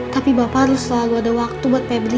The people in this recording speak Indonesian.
tapi bapak harus selalu ada waktu buat pebri